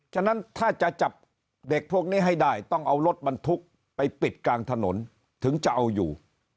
ฉะนั้นถ้าจะจับเด็กพวกนี้ให้ได้ต้องเอารถบรรทุกไปปิดกลางถนนถึงจะเอาอยู่